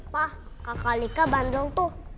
pak kakak nika bandel tuh